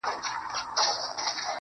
مور مي خپه ده ها ده ژاړي راته.